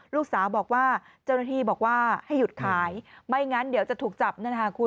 ลูกสาวบอกว่าเจ้าหน้าที่บอกว่าให้หยุดขายไม่งั้นเดี๋ยวจะถูกจับนั่นนะคะคุณ